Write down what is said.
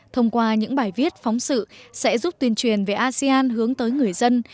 thông qua những bài viết phóng sự sẽ giúp tuyên truyền về asean hướng tới người dân